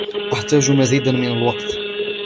احتاج مزيداً من الوقت.